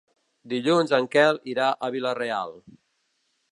Dilluns en Quel irà a Vila-real.